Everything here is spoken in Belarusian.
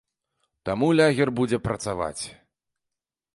Таму лагер будзе працаваць.